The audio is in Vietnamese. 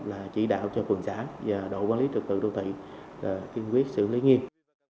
là chỉ đạo cho phường xã và đội quản lý trật tự đô thị kiên quyết xử lý nghiêm